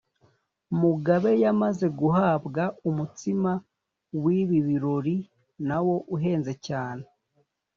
Mugabe yamaze guhabwa umutsima w'ibi birori nawo uhenze cyane